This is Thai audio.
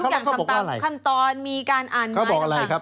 แล้วคือทุกอย่างทำตามขั้นตอนมีการอ่านหมายขึ้นต่าง